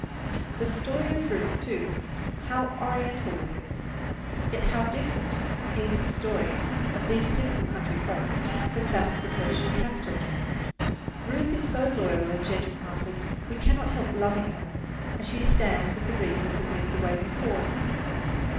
The story of Ruth, too how Oriental it is! Yet how different is the life of these simple country folks from that of the Persian capital! Ruth is so loyal and gentle hearted, we cannot help loving her, as she stands with the reapers amid the waving corn.